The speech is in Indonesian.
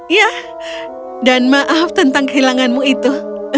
ya dan maaf tentang kehilanganmu itu